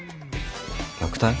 虐待？